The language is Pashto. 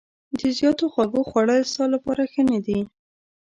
د زیاتو خوږو خوړل ستا لپاره ښه نه دي.